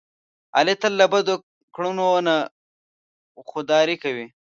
علي تل له بدو کړنو نه خوداري کوي.